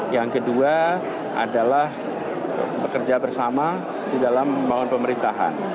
yang kedua adalah bekerja bersama di dalam membangun pemerintahan